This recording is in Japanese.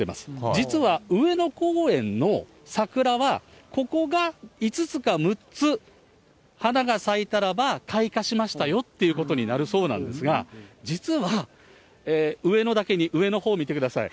実は上野公園の桜は、ここが５つか６つ花が咲いたらば、開花しましたよということになるそうなんですが、実は、上野だけに上のほう見てください。